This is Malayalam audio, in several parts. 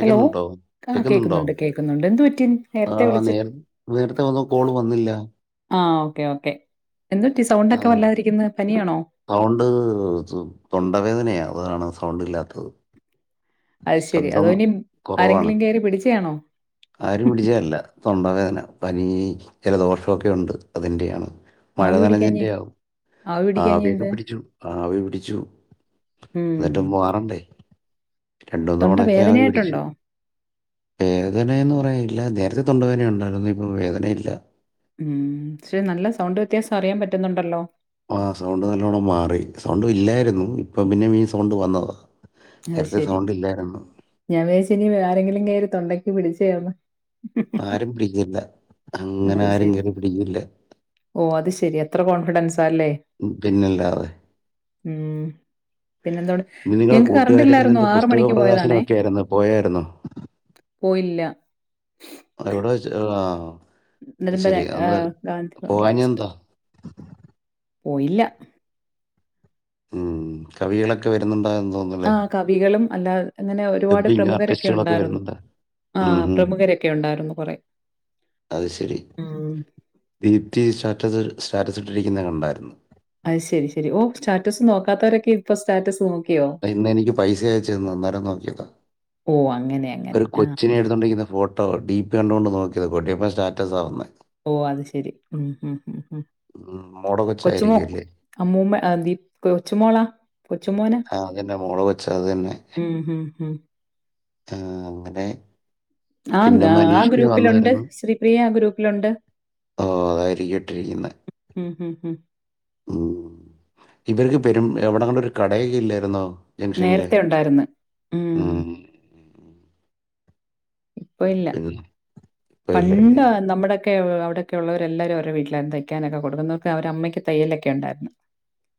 ഹലോ ആ കേക്കുന്നുണ്ട്, കേക്കുന്നുണ്ട്. എന്ത് പറ്റി നേരത്തെ വിളിച്ച ക്ക് [unintelligible] എന്തെറ്റി സൗണ്ട് ആ, ഒക്കെ വല്ലാതിരിക്കുന്ന പനിയാണോ സൗണ്ട് [unintelligible] അതാണ് സൗണ്ടല്ലാത്തത് അത് ശരി അതോ ഇനി ആരെങ്കിലും കേയറി പിടിച്ചണോ ആരും പിടിച്ചതല്ല തൊണ്ടവേദന പനി ജലദോഷ മഴ ആവി പിടിക്കാഞ്ഞേ? നനഞ്ഞതിന്റെ ആവും ആവി പിടിക്കാഞ്ഞേ ആവിയൊക്കെ എന്ത്? പിടിച്ചു ആവി പിടിച്ചു ഉം. രണ്ടുമൂന്ന് തൊണ്ട തവണയൊക്കെ ആവി പിടിച്ചു വേദനയായിട്ടുണ്ടോ? തൊണ്ടവേദനയുണ്ടാരുന്നു ഇപ്പൊ വേദനയില്ല ഉം ശരി നല്ല സൗണ്ട് വ്യത്യാസം അറിയാൻ പറ്റുന്നുണ്ടല്ലോ ആ സൗണ്ട് നല്ലോണം മാറി സൗണ്ട് ഇല്ലായിരുന്നു ഇപ്പ പിന്നിം ഈ സൗണ്ട് വന്നതാ അത് നേരത്തെ ശെരി സൗണ്ട് ഇല്ലായിരുന്നു ഞാൻ വിയാച്ച് ഇനി വേറെങ്കിലും ങ്ങേരി തൊണ്ടക്ക് പിടിച്ചയാന്ന് ആരും [unintelligible] അങ്ങനെ അത് ആരും ശരി. കേറി പിടിക്കില്ല ഓ അത് ശെരി അത്ര കോൺഫിഡൻസ് പിന്നല്ലാതെ ഉം പിന്നെന്താണ്? ഇന്ന് നിങ്ങളെ ഞങ്ങക്ക് കൂട്ടുകാരിയുടെ കറണ്ടില്ലായിരുന്നു. ഏതാണ്ട് പുസ്തക മണിക്ക് പ്രകാശനം പോയതാണേ. ഒക്കെ ആയിരുന്നു പോയാരുന്നോ പോയില്ല. എവിടെ വെച്ച് ആഹ് നലമ്പനെ ആ ഗാന്ധി ഭവനിൽ വെച്ചിട്ട് പോകാഞ്ഞെന്താ പോയില്ല ഉം കവികളെക്കെ വരുന്നുണ്ട് ആ കവികളും അല്ലാ അങ്ങനെ ഒരുപാട് ഡബിങ് പ്രമുഖരൊക്കെ ആർട്ടിസ്റ്റുകളൊക്കെ ഉണ്ടാര്ന്നു വരുന്നുണ്ട് ആ ഉം ഉം. പ്രമുഖരൊക്കെ ഉണ്ടായിര്ന്നു കൊറേ അത് ശരി ദിപ്തി സ്റ്റാറ്റസ്സ് സ്റ്റാറ്റസ്സ് ഇട്ടിരിക്ക്ന്നെ കണ്ടായിര്ന്നു അത് ശരി ശരി ഓ സ്റ്റാറ്റസ് നോക്കാത്തവരൊക്കെ ഇപ്പൊ സ്റ്റാറ്റസ് നോ ഇന്ന് എനിക്ക് പൈസയച്ചന്ന് അന്നേരം നോക്കിയതാ ഓ അങ്ങനെ അങ്ങനെ ഒരു ആ കൊച്ചിനെ എടുത്തോണ്ടിരിക്ക്ന്ന ഫോ കേട്ടോ ഡി പി കണ്ടുകൊണ്ട് നോക്കിയത് കൊട്ടിയപ്പൻ സ്റ്റാറ്റസാ വന്നേ ഓ അത് ശരി മ് മ്. മോടെ കൊച്ചുമോ കൊച്ചായിരിക്കും അല്ലേ അമ്മൂമ്മ ദിപ് കൊച്ചുമോളാ കൊച്ചുമോന ആ അതന്നെ മോള കൊച്ച് അത് തന്നെ ഉം, ഉം, ഉം. ആ അങ്ങനെ ആ പിന്നെ ആ മനീഷ് ഗ്രൂപ്പിലുണ്ട് വന്നായിരുന്നു ശ്രീപ്രിയ ആ ഗ്രൂപ്പിലുണ്ട് ഓ അതായിരിക്കും ഇട്ടിരിക്കുന്നത് ഉം ഇവർക്ക് പെരും എവിടെങ്ങണ്ടൊക്കെ ഒരു കടയൊക്കെ ഇല്ലായിര്ന്നോ നേരത്തെ ഉണ്ടായിര്ന്ന് ഉം ഇപ്പൊ ഇല്ല പിന്നെ ഇപ്പൊ പണ്ട് ഇല്ലല്ലേ അ നമ്മടെ അവിടക്കെള്ളവരെല്ലാവരും അവരെ വീട്ടിലായിര് ന്ന് തയ്ക്കാനൊക്കെ കൊടുക്കുന്നത് അവരടെ അമ്മയ്ക്ക് തയ്യലൊക്കെ ഉണ്ടായിര്ന്ന്.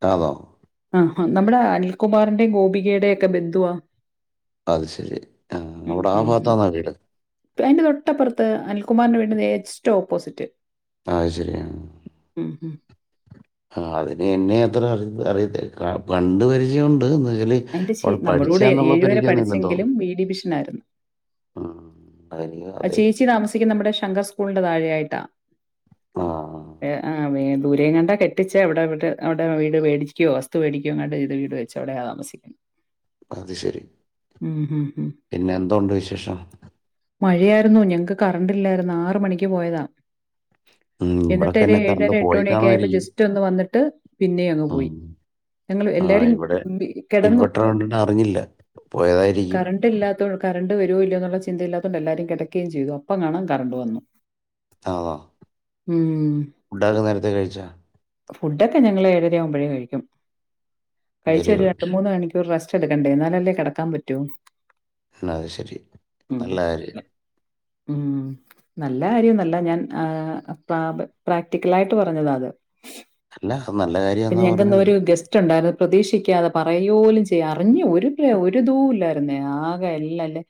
ആന്നോ ഉം നമ്മുടെ അനിൽകുമാറിന്റെ ഗോപികേടെ ഒക്കെ ബന്ധുവാ അത് ശരി ആ ഉം അവിടെ ആ ഉം ഉം. ഭാഗത്താണോ വീ അതിന്റെ തൊട്ടപ്പറത്ത് അനിൽ കുമാറിന്റെ വീട്ന്റെ എസ്‌റ്റ് ഓപ്പോസിറ്റ് അത് ശരിയാ [inaudible] ആ അതിന് എന്നെ അത്ര അ അറിയത്തില്ല അ കണ്ട് പരിചയം ഉണ്ട് എന്ന്. വെച്ചാല് അവിടെ [unintelligible] നമ്മടെ കൂടെ പഠിച്ചാന്നുള്ള ഏഴ് വരെ പരിചയമൊന്നും ഇല്ലെന്ന് പഠിച്ചെങ്കിലും തോന്നുന്നു ബി ഡിവിഷൻ ആയിര്ന്ന്. ഉം. അതെനിക്ക് അതെ ചേച്ചി താമസിക്ക്ന്ന നമ്മടെ ശങ്കർ സ്കൂളിന്റെ താഴൊയായിട്ടാ ആ ഏ ആ [unintelligible] ദൂരെയങ്ങണ്ടാ കെട്ടിച്ച അവിടെവിടെവിടെ വീട് മേടികുയോ വസ്തു വേടിക്കയോ ആണ്ട് വീട് വെച്ച് അവിടെയാ താമസിക്കുന്നത് അത് ശരി ഉം ഉം ഉം. പിന്നെ എന്തുണ്ട് വിശേഷം മഴയായിരുന്നു ഞങ്ങക്ക് കറന്റ് ഇല്ലായിര്ന്ന് ആറ് മണിക്ക് പോയതാ ഉം, എന്നിട്ട് ഇവിടൊക്കെ തന്നെ കറണ്ട് ഏഴര എട്ട് പോയി മണിയൊക്കെ ആയപ്പോ കാണുമായിരിക്കും ജസ്റ്റ് ഒന്ന് വന്നിട്ട് പിന്നെയങ്ങ് പോയി ഉം. ഞങ്ങൾ ആ എല്ലാരും ഇവിടെ കി കിടന്നു ഇൻവെർട്ടർ കണ്ടിട്ട് അറിഞ്ഞില്ല പോയതായിരിക്കും കറണ്ട് ഇല്ലാത്ത കറണ്ട് വരുല്ലോ എന്ന ചിന്തയിലാ. അത്കൊണ്ട് എല്ലാരും കിടക്കകയും ചെയ്തു അപ്പം കാണാ കറണ്ട് വന്നു താ ഉം ഫുഡൊക്കെ നേരത്തെ കഴിച്ചോ ഫുഡൊക്കെ ഞങ്ങളേഴരയാവുമ്പോഴേ കഴിക്കും കഴിച്ച് വെരി ഒരു ഗുഡ് രണ്ട്‌ മൂന്ന് മണിക്കൂറ് റെസ് റ്റെടുക്കണ്ടേ എന്നാലല്ലേ കിടക്കാൻ പറ്റു എന്നാ അത് ശരി നല്ല കാ ര്യം ഉം നല്ല കാര്യൊന്നല്ല ഞാൻ ആ പ പ്രാക്ടിക്കലായിട്ട് പറഞ്ഞതാ അത് അല്ല അത് നല്ല പിന്നെ കാര്യാന്നാ ഞങ്ങക്ക് ഇന്ന് പറഞ്ഞത് ഒരു ഗസ്റ്റ് ഉണ്ടായിരുന്നു. പ്രതീക്ഷിക്കാതെ പറയുക പോലും ചെയാതെ അറിഞ്ഞ് ഒരു ഒരിതും ഇല്ലായിരുന്നേ ആകെ അല്ല അല്ലേ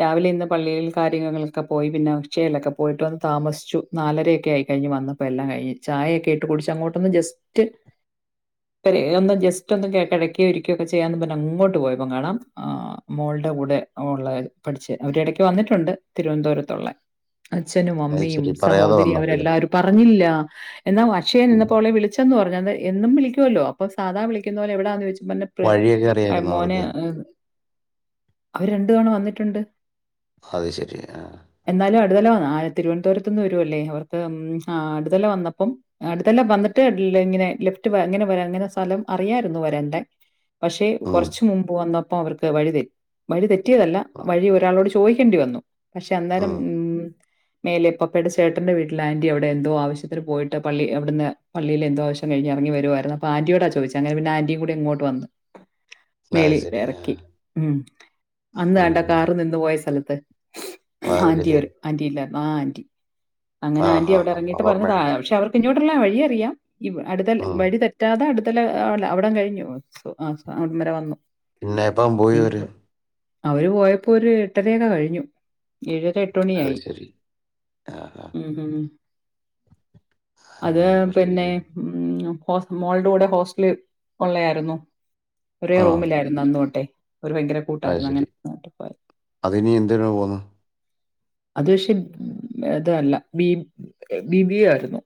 രാവിലെ ഇന്ന് പള്ളിൽ കാര്യങ്ങളിലൊക്കെ പോയി പിന്നെ അക്ഷയയിലൊക്കെ പോയിട്ട് വന്ന് താമസിച്ചു നാലരയൊക്കെ ആയി കഴിഞ്ഞ് വന്നപ്പോ എല്ലാം കഴിഞ്ഞ് ചായയക്കെ ഇട്ട് കുടിച്ച് അങ്ങോട്ടൊന്ന് ജസ്റ്റ് ഒന്ന് ജസ്റ്റ് ഒന്ന് കിടക്കുകയോ ഇരിക്കുകയോ ഒക്കെ ചെയ്യാന്നും പറഞ്ഞ് അങ്ങോട്ട് പോയപ്പോ കാണാം മോളുടെ കൂടെ ഒള്ള പഠിച്ച അവര് എട ക്ക് വന്നിട്ടുണ്ട് തിരുവനന്തപുരത്തുള്ളേ അച്ഛനും അത് അമ്മയും ശരി പറയാതെ സഹോദരിയും വന്നു അവര് അവരെല്ലാരും പറഞ്ഞില്ല എന്നാ അക്ഷയിൽ ഉം. നിന്നപ്പോ അവളെ വിളിച്ചന്ന് പറഞ്ഞ് അ എന്നും വിളിക്കുവല്ലോ അപ്പൊ സാധാവിളിക്കുന്ന പോലെ എവിടാന്ന് ചോദിച്ച് വന്നപ്പോളെ വഴിയൊക്കെ അറിയായിരുന്നു മോനെ അവർക്ക് അവര് രണ്ട് തവണ വന്നിട്ടുണ്ട് അത് ശരി ആഹ് എന്നാലും അടുത്തല ആ തിരുവനന്തപുരത്ത് നിന്ന് വരുവല്ലേ അവർക്ക് ഉം ആ അടുതല വന്നപ്പം അടുതല വന്നിട്ട് ഇങ്ങനെ ലെഫ്റ്റ് ഇങ്ങനെ വരാ ഇങ്ങനെ സ്ഥലം അറിയായിരുന്നു വരണ്ടേ പക്ഷെ ഉം, കുറച്ച് മുമ്പ് വന്നപ്പോ അവർക്ക് വഴിതെ വഴിതെറ്റി തെറ്റിയതല്ല ഉം, വഴി ഒരാളോട് ചോ ചോയിക്കേണ്ടി വന്നു പക്ഷെ അന്നേരം ഉം മേലെ പപ്പയുടെ ചേട്ടന്റെ വീട്ടിൽ ആന്റി അവിടെ എന്തോ ആവശ്യത്തിന് പോയിട്ട് പള്ളി അവിടന്ന് പള്ളിലെന്തോ ആവശ്യം കഴിഞ്ഞ് ഇറങ്ങി വരുമായിരുന്നു അപ്പോ ആന്റിയോടാ ചോദിച്ചത് അങ്ങനെ പിന്നെ ആന്റിയും കൂടെ ഇങ്ങോട്ട് വന്നു അത് മേളിൽ ശരി ആ ഇറക്കി ഉം അന്ന് ആണ്ടെ ഉം. കാറ് നിന്ന് പോയ സ്ഥ ലത്ത് അത് ആന്റി ശരി ആന്റി ഇല്ലാ ആഹ് ആന്റി ആ അങ്ങനെ ആന്റി ഹാ അവ്ടെ ഹാ എറങ്ങീട്ട് പറഞ്ഞു ഓർമ്മയുണ്ട് താഴെ പക്ഷെ അവർക്ക് ഇങ്ങോ ക്കുന്ന വഴി അറിയാം ഇവ് അടുത്ത് അല്ലെ ഉം. വഴി തെറ്റാതെ അട് ട്ട്ൽ അയുടെല്ലാ അയുടം കഴിഞ്ഞു ഓ ആഹ് അയുട് ഇന്നെരെ വന്നു. പിന്നെ എപ്പം പോയി നീ അവെര് അവര് പോയപ്പോ ഒര് എട്ടര ഒക്കെ കഴിഞ്ഞു. ഏഴെര എട്ടു അത് മണിയായി ശരി ആ ആ, ഉം ഉം ആ അത് അവർക്ക് പിന്നെ ഉം ഹ മോളുടെ കൂടെ ഹോസ്റ്റല് ഉള്ള ആയിരുന്നു ഒരേ ആ റൂമിലായിരുന്നു അന്നു തൊട്ടെ ഒരു ഭയങ്കര കൂട്ടായിരുന്നു അങ്ങനെന്നോട്ടെ പോയ രു പോുന്നു അത് പക്ഷേ അതല്ല ബി ബിബിയ ആയിരുന്നു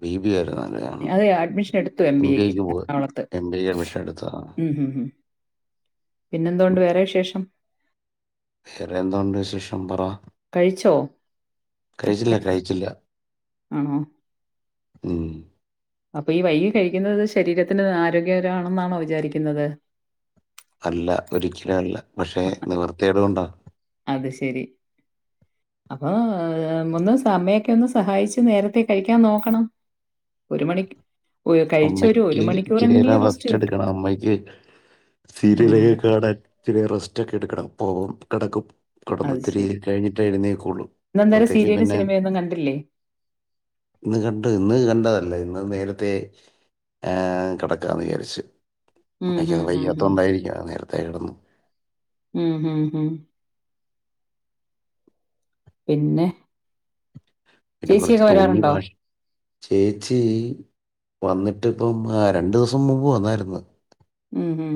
ബി ബി എ ആയിരുന്നല്ലേ അത് അഡ്മിഷൻ എടുത്തു എം ബി എംബിഎക്ക് എക്ക് പോവ എറണാകുളത്ത്. എം ബിഎക്ക് അഡ്മിഷൻ എടുത്തതാണ് പിന്നെന്തുണ്ട് ഉം. വേറെ വിശേഷം വേറെ എന്തുണ്ട് വിശേഷം പറ കഴിച്ചോ കഴിച്ചില്ല കഴിച്ച് കഴിച്ചില്ല ആണോ ഉം അപ്പൊ ഈ വൈകി കഴിക്കുന്നത് ശരീരത്തിന് ആരോഗ്യകരമാണെന്നാണോ വിചാരിക്കുന്നത് അല്ല ഒരിക്കലും അല്ല പക്ഷേ നിവൃത്തിേകേ ടൊണ്ട അത് ശരി അപ്പൊ ഒന്ന് സമയൊക്കെ ഒന്ന് സഹായിച്ച് നേരത്തെ കഴിക്കാൻ നോക്കണം ഒരു മണിക്ക് ഒ കഴിച്ച് ഒരു അമ്മയ്ക്ക് മണിക്കൂറെങ്കിലും ഇച്ചിരിനേരം റെസ്റ്റ് കിട്ടും. എടുക്കണം അമ്മയ്ക്ക് ഉം. സീരിയലെക്കാ കാണാൻ ഇച്ചിരി റെസ്റ്റ് എക്കെ എടുക്കണം പോകും കിടക്കും അത് കടന്ന്നിത്തിരി ശരി. കഴിഞ്ഞിട്ട് എഴുന്നേക്കൂളും ഇന്നെന്തേരം അപ്പഴത്തേക്കും സീരിയലും പിന്നെ സിനിമയൊന്നും കണ്ടില്ലേ? ഇന്ന് കണ്ട ഇന്ന് കണ്ടതല്ല ഇന്ന് നേര അതെ ഏ കിടക്കാന്ന് വിചാരിച്ചു ഉം, അമ്മക്ക് ഹും, ഹും, ഹും. വയ്യാതോണ്ട് ആയിരിക്കാം നേരത്തെ കിടന്ന് ഉം, ഹും, ഹും. പിന്നെ പിന്നെ കുറച്ച് ചേച്ചിയൊക്കെ തുണി വരാറുണ്ടോ വാഷ് ചേച്ചി വന്നിട്ട്ഇപ്പം രണ്ട് ദിവസം മുമ്പ് വന്നായിരുന്നു ഉം ഹം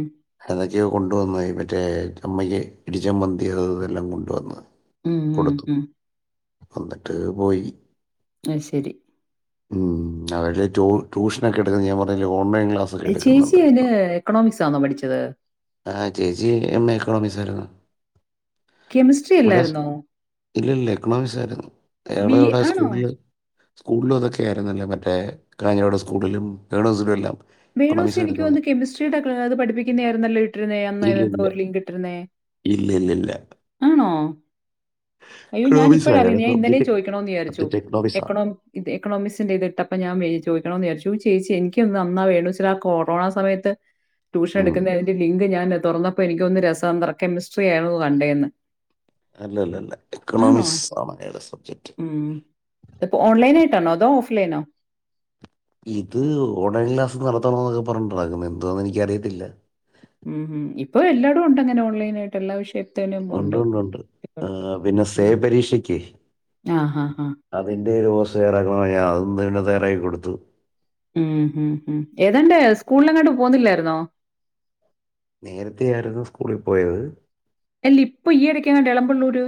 ഇയ്യോ കൊണ്ടുവന്ന് മറ്റേ അമ്മയ്ക്ക് ഇടി ചമ്മന്തി അത് ഇത് ഇതെല്ലാം കൊണ്ടുവന്ന് ഉം, ഹും, കൊടുത്തു ഹും. വന്നിട്ട് പോയി ആയിശേരി ഉം അവര് ട്യൂ ട്യൂഷനൊക്കെ എടുക്കുന്നത് ഞാൻ പറഞ്ഞ ലോ ഓൺ കമ്പയിൻ ക്ലാസ്സൊക്കെ ഏ, ചേച്ചി എടുക്കുന്നുണ്ട് അയില് ഇപ്പോ എക്കണോമിക്സ് ആണോ പഠിച്ചത്? ആഹ് ചേച്ചി എം എ ഇക്കണോമിക്സ് ആയിരുന്നു. കെമിസ്ട്രി ഇവിടെ അല്ലായിരുന്നോ? ഇല്ല ഇല്ല എക്കണോമിക്സ് ആയിരുന്നു ടെ ബി എവിടെ ആണോ? സ്കൂളിൽ സ്കൂളില അതൊക്കെ ആയിരുന്നല്ല പറ്റ മറ്റേ കാഞ്ഞകവിടെ സ്കൂളിലും [unintelligible] എല്ലാം [unintelligible] എക്കണോമിക്സ് എടുക്കുന്നത് എനക്കന്ന് കെമിസ്ട്രിയുടെത് പഠിപ്പിക്കുന്ന ആരുന്നല്ലോ ഇട്ടിരുന്നേ അന്ന് ഇല്ലില്ല ഒരു ലിങ്ക് ഇട്ടിരുന്നേ ഇല്ലില്ലില്ല ആണോ അയ്യോ ഞാൻ എക്കണോമിക്സ് ഇപ്പോഴ അയാൾ അറിയുന്ന ഞാൻ ഇന്നലെയും സബ്ജക്ട് ചോദിക്കണന്ന് സബ്ജക്ട് എക്കണോമിക്സ് എക്കോമക്സിന്റെ ഇത് ഇട്ടപ്പ ഞാൻ ചോദിക്കണോ [unintelligible] ചേച്ചി എനിക്കൊന്ന അന്നാ [unintelligible] ആ കൊറോണ സമയത്ത് ട്യൂഷൻ ഉം. എടുക്കുന്നതിന്റെ ലിങ്ക് ഞാന് തുറന്നപ്പോ എനിക്കൊന്നുന്ന് രസന്തത്ര കെമിസ്ട്രിയായ്ന്നു കണ്ടേന്ന്. അല്ലല്ല ആണോ? എക്കണോമിക്സ് ആണ് അയാളെ സബ്ജക്റ്റ്. ഫ് ലൈനോ ഇത് ഓൺലൈൻ ക്ലാസ് നടത്തണം എന്നൊക്കെ പറഞ്ഞിട്ടാ നടക്കുന്നെ. എന്തുവാന്ന് എനിക്കറിയത്തില്ല. ഉം ഹും ഇപ്പൊ എല്ലായിടും ഉണ്ട് അങ്ങനെ ഓൺലൈനായിട്ട് എല്ലാ വിഷയ ഉണ്ട്ണ്ട് ഉണ്ട് പിന്നെ സേ പരീക്ഷക്ക് ആ. ഹാ. ഹാ. അതിന്റെ [unintelligible] ഇന്ന് തന്നെ തയ്യാറാക്കി കൊടുത്തു. ഉം ഹും ഹും ഏതാണ്ട് സ്കൂളിലങ്ങാണ്ട് പോവുന്നില്ലായിരുന്നോ? നേരത്തേ ആയിരുന്നു സ്കൂളിൽ പോയത്. അല്ലി ഇപ്പൊ ഈ ഇടക്കങ്ങാണ്ട് എളമ്പള്ളൂര്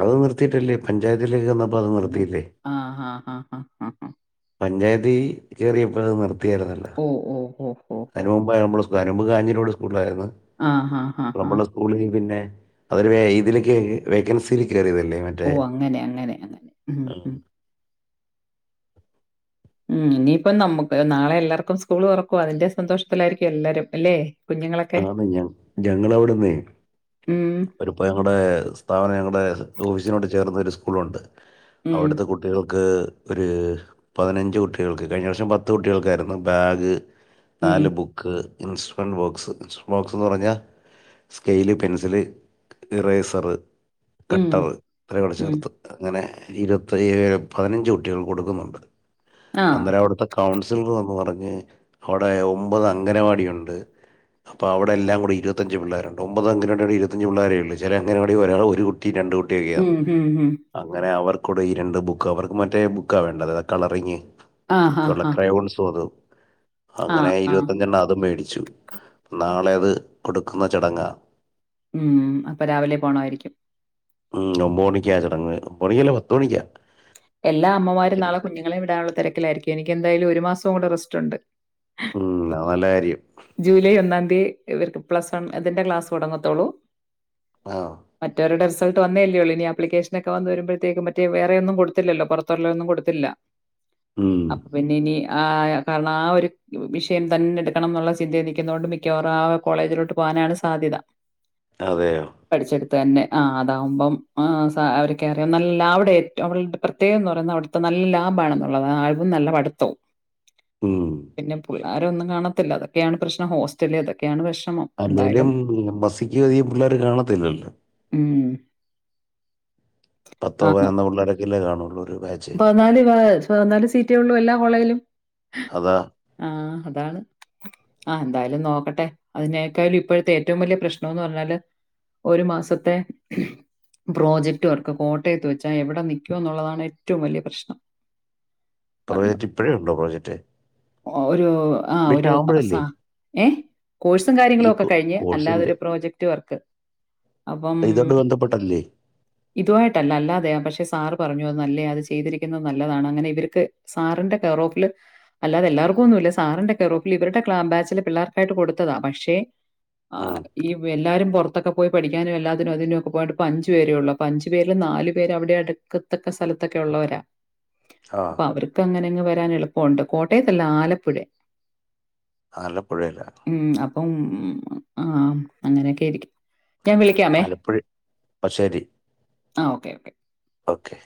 അത് നിർത്തിയിട്ടല്ലേ പഞ്ചായത്തിലേക്കെന്നും ഓ അങ്ങനെ. ആഹ് ആഹ് ആഹ് ഹഹ് ആഹ് പഞ്ചായത്തീ കേറിയപ്പഴത് നിർ ത്തിയാരുന്നല്ല. ഓ ഓ ഓ ഓ ഓ അതിനുമുമ്പാ ഞമ്മള് അതിനുമുമ്പ് കാഞ്ഞരോട് സ്കൂൾലായിരുന്ന്. ആ ഹാ ഹാ ഇപ്പ ഹാ നമ്മളെ സ്ക്കൂളീ പിന്നെ [unintelligible] ഏ ഇതില്ക്ക് വേക്കൻസിലേ ഓ അങ്ങനെ അങ്ങനെ അങ്ങനെ ഉം ആ, ഹും ഉം ഇനിയിപ്പം നമ്മുക്ക് നാളെ എല്ലാർക്കും സ്കൂൾ തുറക്കുവാ അതിന്റെ സന്തോഷത്തിലായിരിക്കും എല്ലാരും അല്ലെ ആന്ന് ഞ ഞങ്ങടെവിടെന്നെ ഉം ഒരുപ്പ ഞങ്ങടെ സ്ഥാപനം ഞങ്ങടെ ഓഫീസിനോട് ചേർന്നൊരു സ്കൂളുണ്ട് ഉം അവിടുത്തെ കുട്ടികൾ ക്ക് ഒരു പതിനഞ്ച് കുട്ടികൾക്ക് കഴിഞ്ഞ പ്രാവശ്യം പത്ത് കുട്ടികൾക്കായിരുന്നു ബാഗ് ഉം നാല് ബുക്ക്, ഇൻസ്ട്രെമന്റ് ബോക്സ്, ബോക്സ്ന്ന് പറഞ്ഞാൽ സ്കെയില് പെൻസില് ഇറേസറ്, ഉം കട്ടർ അത്ര കൂടെ ഉം ചേർത്ത് അങ്ങനെ ഇരുപത്തിഏഴ് പതിനഞ്ച് കുട്ടികൾക്ക് കൊടുക്കുന്നുണ്ട്. ആ അന്നേരം അവിടുത്തെ കൗൺ സിലർ വന്ന് പറഞ്ഞ് അവിടെ ഒമ്പത് അംഗനവാടിയുണ്ട് അപ്പൊ അവിടെല്ലാം കൂടെ ഇരുപത്തഞ്ച് പിള്ളേരുണ്ട് ഒമ്പത് അംഗനവാടിം കൂടി ഇരുത്തഞ്ച് പിള്ളേരേള്ള് ചില അംഗനവാടിൽ ഒരാള് ഒരു കുട്ടി രണ്ട് കുട്ടിയൊക്കെയാ ഉം ഉം ഉം അങ്ങനെ അവർ കൂടെ ഈരണ്ട് ബുക്ക് അവർക്ക് മറ്റേ ബുക്കാ വേണ്ട അതാത് കളറിങ്ങ് ആ ഹാ ക്കൊള്ള ഹാ ക്രയോൺസ് അതും ആ അങ്ങനെ ആ ഇരുപത്തഞ്ചെണ്ണം അതും മേടി [unintelligible] നാളെ അത് കൊടുക്കുന്ന ചടങ്ങാ ഉം അപ്പൊ രാവിലെ പോണമാരിക്കും ഉം ഒമ്പത് മണിക്കാ ചടങ്ങ് ഒമ്പമണിക്കല്ല പത്തുമണിക്കാ എല്ലാ അമ്മമാരും നാളെ കുഞ്ഞുങ്ങളെ വിടാനുള്ള തിരക്കിലായിരിക്കും എനിക്ക് എന്തായാലും ഒരു മാസ [unintelligible] റസ്റ്റുണ്ട് ഉം അത് നല്ല കാര്യം [unintelligible] പ്ലസ് വൺ അതിന്റെ ക്ലാസ്സ് തുടങ്ങത്തൊള്ളു ആ മറ്റവരുടെ റിസൾട്ട് വന്നേല്ലേയുള്ളു ഇനി ആപ്ലിക്കേഷന് ഒക്കെ വരുമ്പോഴത്തേക്കും മറ്റേ വേറെ ഒന്നും കൊടുത്തില്ലല്ലോ പുറത്തുള്ള ഒന്നും കൊടുത്തില്ല ഉം, അപ്പൊ പിന്നെ ഇനി ആഹ് കാരണം ആ ഒരു വിഷയം തന്നെ എടുക്കണം എന്നുള്ള ചിന്തെ നിക്കുന്നോണ്ട് മിക്കവാറും ആ കോളേജിലോട്ട് പോകാനാണ് സാധ്യത അതെയോ അ തന്നെ അതാകുമ്പോൾ അവരൊക്കെ അറിയാം നല്ല അവിടെ ഏറ്റവും അവള പ്രത്യേകം എന്ന് പറയുന്നത് അവിടുത്തെ നല്ല ലാബാണെന്നുള്ളത് ആ നല്ല പഠിത്തവും ഉം. പിന്നെ പിള്ളോര ഒന്നും കാണ ത്തില്ല ത് ഒക്കെയാണ് പ്രശ്ന ഹോസ്റ്റൽ അതൊക്കെയാണ് പ്രശ് അല്ലേലും മസിക്ക് അധികം പിള്ളേർ കാണത്തില്ലല്ലോ [inaudible] പത്തോ പതിനെന്നോ പിള്ളരക്കല്ലേ കാണൂ [unintelligible] ബനാലി വ പതിനാല് സീറ്റേ ഉള്ളൂ എല്ലാ കോളേജിലും അതാ ആ അതാണ് ആ എന്തായാലും നോക്കട്ടെ അതിനേക്കായാലും ഇപ്പോഴത്തെ ഏറ്റവും വലിയ പ്രശ്നംന്ന് പറഞ്ഞാല് ഒരു മാസത്തെ പ്രോജക്ട് വർക്ക് കോട്ടയത്ത് വെച്ചാൽ എവിടെ നിക്കും എന്നുള്ളതാണ് ഏറ്റവും ഏറ്റവും വലിയ പ്രശ്നം പ്രോജക്ട് ഇപ്പോഴോ ഉണ്ടോ പ്രോജക്ട് ആ ഒരു ആ ഒരു സാ ഏ കോഴ്സും ഈ കാര്യങ്ങളും ഒക്കെ കോ- കഴിഞ്ഞ് കോഴ്സിന്റെ അല്ലാതെരു പ്രോജക്ട് വർക്ക് അപ്പം ഇതോട് ബന്ധപ്പെട്ടല്ലേ ഇതുമായിട്ടല്ല അല്ലാതെയാ പക്ഷെ സാർ പറഞ്ഞു അത് നല്ലയാ ചെയ്തിരിക്കുന്നത് നല്ലതാണ് അങ്ങനെ ഇവർക്ക് സാറിന്റെ കെയർ ഓഫിൽ അല്ലാതെ എല്ലാവർക്കും ഒന്നുമല്ല സാറിന്റെ കെയർ ഓഫിൽ ഇവരുടെ ബാച്ചില് പിള്ളേർക്കായിട്ട് കൊടുത്തതാണ് പക്ഷേ ഉം. ഈ എല്ലാവരും പുറത്തൊക്കെ പോയി പഠിക്കാനും എല്ലാനും അതിനും ഇതിനും പോയിട്ട് അഞ്ചു പേരെ ഉള്ളു അഞ്ചു പേരിൽ നാല് പേര് അവിടെ അടുക്കത്തക്ക സ്ഥലത്തക്ക ഒക്കെ ഉള്ളവരാ ആ അപ്പൊ അവർക്ക് അങ്ങനെ വരാൻ എളുപ്പമുണ്ട് കോട്ടയത്തല്ല ആലപ്പുഴേ ആലപ്പുഴയില ഉം അപ്പം ഉം ആ അങ്ങനെയൊക്കെ ആയിരിക്കും ഞാൻ വിളിക്കാമേ ആലപ്പുഴ ശരി ആ ഓക്കെ ഓക്കെ ഓക്കെ